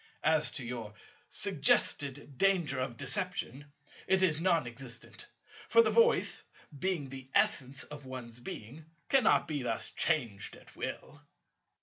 As to your suggested danger of deception, it is non existent: for the Voice, being the essence of one's Being, cannot be thus changed at will.